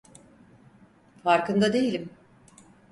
Farkında değilim.